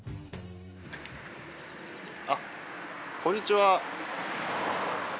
あっこんにちは。